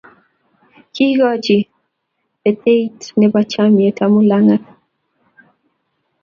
Kiikochi peteit nebo chamet amut langat